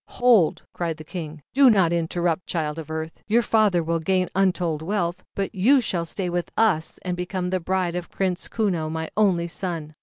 "Hold!" cried the King. "Do not interrupt, Child of Earth, your father will gain wealth untold, but you shall . stay with us and become the bride of Prince Kuno, my only son.